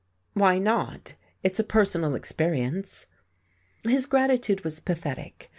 "Why not? It's a personal experience." His gratitude was pathetic....